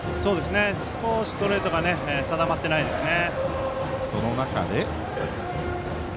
少し、ストレートが定まっていないですね。